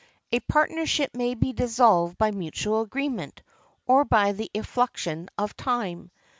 A partnership may be dissolved by mutual agreement, or by the effluxion of time.